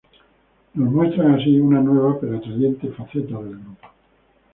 Nos muestran así, una nueva pero atrayente faceta del grupo.